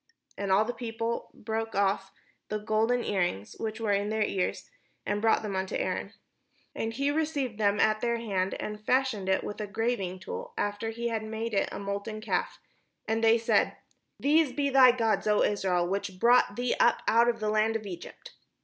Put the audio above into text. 'And all the people brake off the golden earrings which were in their ears, and brought them unto Aaron. And he received them at their hand, and fashioned it with a graving tool, after he had made it a molten calf; and they said: " These be thy gods, O Israel, which brought thee up out of the land of Egypt."